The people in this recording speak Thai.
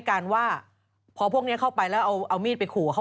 เพราะว่าตอนนี้ก็ไม่มีใครไปข่มครูฆ่า